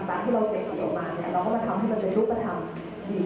แคลเวสก็ต้องเป็นคนกว่าจริง